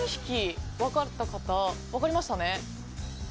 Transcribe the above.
分かりましたか？